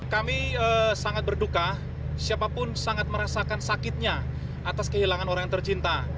kami sangat berduka siapapun sangat merasakan sakitnya atas kehilangan orang yang tercinta